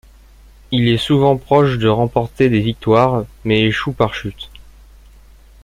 Il est souvent proche de remporter des victoires mais échoue par chutes.